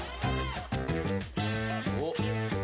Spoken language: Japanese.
おっ。